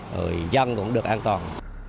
rồi dân cũng được an toàn